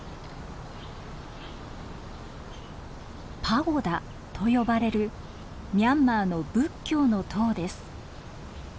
パゴダと呼ばれるミャンマーの仏教の塔です。